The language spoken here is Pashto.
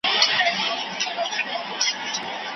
داسي ورځ به راسي چي رویبار به درغلی وي